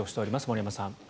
森山さん。